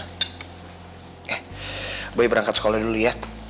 eh boleh berangkat sekolah dulu ya